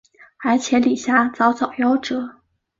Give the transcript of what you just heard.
而且李遐早早夭折。